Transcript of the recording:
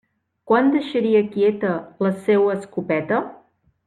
Quan deixaria quieta la seua escopeta?